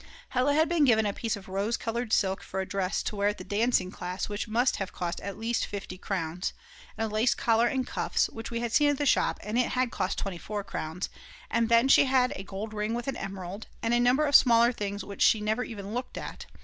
Hella had been given a piece of rose coloured silk for a dress to wear at the dancing class which must have cost at least 50 crowns, and a lace collar and cuffs, which we had seen at the shop, and it had cost 24 crowns, then she had a gold ring with an emerald, and a number of smaller things which she never even looked at.